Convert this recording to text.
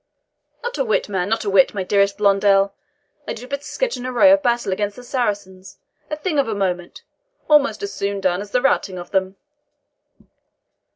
"Not a whit, man, not a whit, my dearest Blondel. I did but sketch an array of battle against the Saracens, a thing of a moment, almost as soon done as the routing of them."